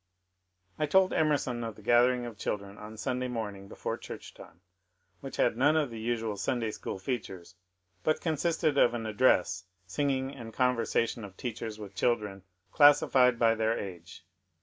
I told Emerson of the gathering of children on Sunday morning before church time, which had none of the usual Sunday school features, but consisted of an address, singing, and conversation of teachers with children classified by their age.